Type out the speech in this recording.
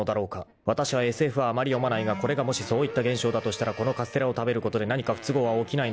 ［わたしはＳＦはあまり読まないがこれがもしそういった現象だとしたらこのカステラを食べることで何か不都合は起きないのだろうか］